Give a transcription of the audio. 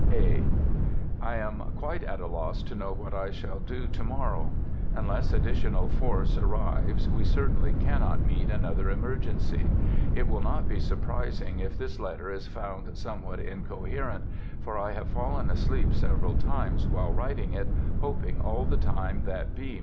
(A.) I am quite at a loss to know what I shall do to morrow. Unless additional force arrives we certainly cannot meet another emergency. It will not be surprising if this letter is found somewhat incoherent, for I have fallen asleep several times while writing it, hoping all the time that B.